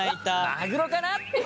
マグロかな！？